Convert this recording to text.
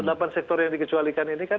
delapan sektor yang dikecualikan ini kan